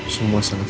semua sangat semangat